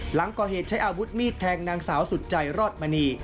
หลังก่อเหตุใช้อาวุธมีดแทงนางสาวสุดใจรอดมณี